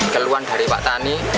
keluhan dari pak tani